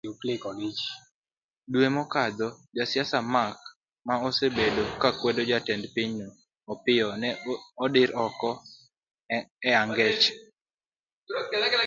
Dwe mokadho, jasiasa Mark ma osebedo kakwedo jatend pinyno Opiyo ne odir eod angech.